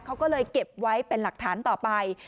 เขาก็เลยเก็บไว้เป็นหลักฐานต่อไป